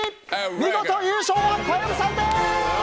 見事優勝は小籔さんです。